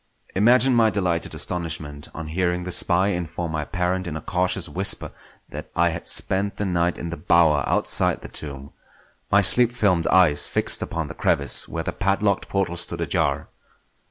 Imagine my delighted astonishment on hearing the spy inform my parent in a cautious whisper that I had spent the night in the bower outside the tomb; my sleep filmed eyes fixed upon the crevice where the padlocked portal stood ajar!